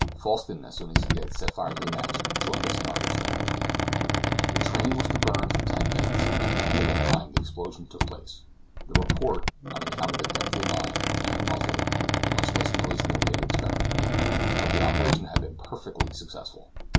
Falsten, as soon as he had set fire to the match, joined us in our retreat. The train was to burn for ten minutes, and at the end of that time the explosion took place; the report, on account of the depth of the mine, being muffled, and much less noisy than we had expected. But the operation had been perfectly successful.